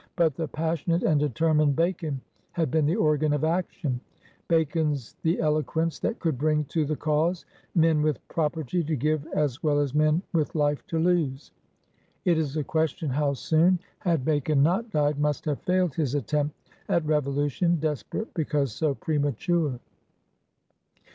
But the pas sionate and determined Bacon had been the organ of action; Bacon's the eloquence that could bring to the cause men with property to give as well as men with life to lose. It is a question how soon, had 186 PIONEERS OF THE OLD SOUTH Bacon not died, must have failed his attempt at revolution, desperate because so premature.